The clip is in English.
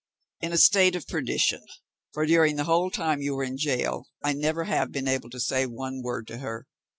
"In a state of perdition; for during the whole time you were in gaol, I never have been able to say one word to her.